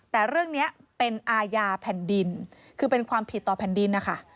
แต่เรื่องนี้เป็นอาญาแผ่นดินคือเป็นความผิดต่อแผ่นดินนะคะ